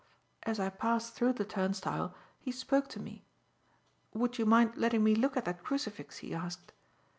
As I passed through the turnstile, he spoke to me: 'Would you mind letting me look at that crucifix?' he asked.